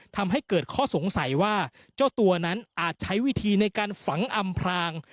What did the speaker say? ทำให้เกิดข้อสงสัยว่าเจ้าตัวนั้นอาจใช้วิธีในการฝังอำพราง